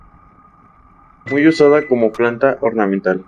Muy usada como planta ornamental.